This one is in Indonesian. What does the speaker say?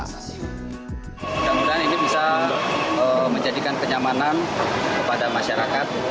semoga ini bisa menjadikan kenyamanan kepada masyarakat